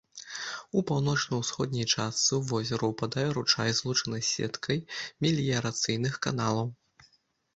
У паўночна-ўсходняй частцы ў возера ўпадае ручай, злучаны з сеткай меліярацыйных каналаў.